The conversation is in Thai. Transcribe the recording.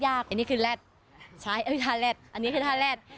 อันนี้คือแรดใช่อันนี้คือท่าแรด